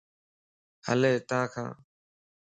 ھل ھتان ڪان